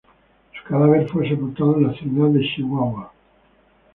Su cadáver fue sepultado en la Ciudad de Chihuahua.